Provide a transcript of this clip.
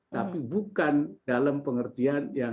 tapi bukan dalam pengertian yang